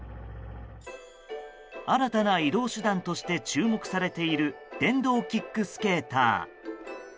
新たな移動手段として注目されている電動キックスケーター。